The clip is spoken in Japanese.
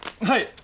はい！